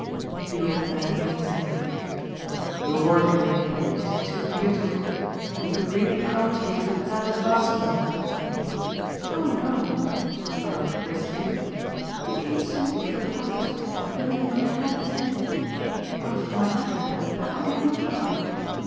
The old man gazed at her. "'Your' doing it is too beautiful! And he could really come to you for the purpose of asking you?" "Oh no," said the girl briskly, "he came simply for the purpose of doing what he HAD to do. After my letter how could he not come?